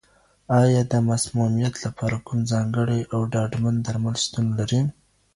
آیا د مسمومیت لپاره کوم ځانګړی او ډاډمن درمل شتون لري؟